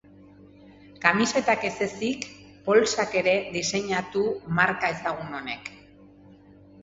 Kamisetak ez ezik, poltsak ere diseinatu marka ezagun honek.